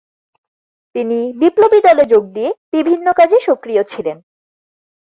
তিনি বিপ্লবী দলে যোগ দিয়ে বিভিন্ন কাজে সক্রিয় ছিলেন।